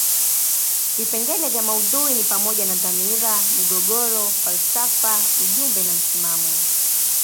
Vipengele vya maudhui ni pamoja na dhamira, migogoro, falsafa ujumbe na msimamo.